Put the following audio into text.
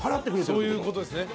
そういうことですね。